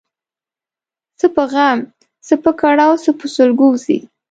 څه په غم ، څه په کړاو څه په سلګو ځي